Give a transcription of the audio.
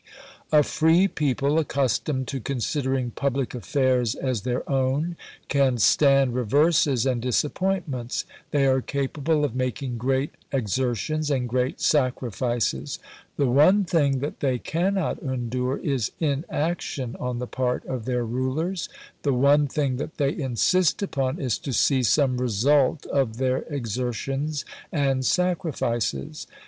A free people, accustomed to considering public affairs as their own, can stand reverses and disap pointments ; they are capable of making great ex ertions and great sacrifices. The one thing that they cannot endure is inaction on the part of theu rulers; the one thing that they insist upon is to see some 152 ABRAHAM LINCOLN Chap. IX. result of their exertions and sacrifices.